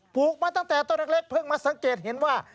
ลูกมาตั้งแต่ต้นเล็กเพิ่งมาสังเกตเห็นว่า